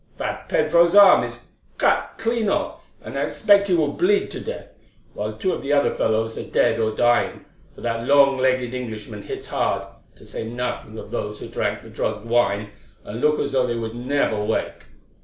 Fat Pedro's arm is cut clean off, and I expect he will bleed to death, while two of the other fellows are dead or dying, for that long legged Englishman hits hard, to say nothing of those who drank the drugged wine, and look as though they would never wake.